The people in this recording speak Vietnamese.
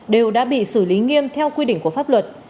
đều đã bị xử lý nghiêm theo quy định của pháp luật